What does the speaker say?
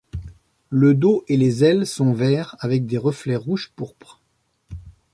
Le dos et les ailes sont verts avec des reflets rouge pourpre.